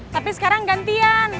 tapi sekarang gantian